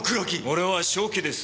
俺は正気です。